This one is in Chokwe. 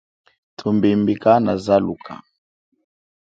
Thumbimbi kana zelula.